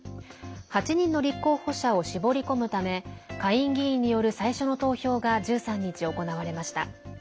８人の立候補者を絞り込むため下院議員による最初の投票が１３日、行われました。